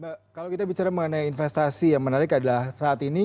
mbak kalau kita bicara mengenai investasi yang menarik adalah saat ini